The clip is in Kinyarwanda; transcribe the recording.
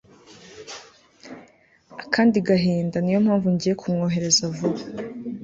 akandi gahinda ni yo mpamvu ngiye kumwohereza vuba